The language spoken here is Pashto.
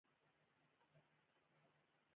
د افغانستان په منظره کې ځمکه ښکاره ده.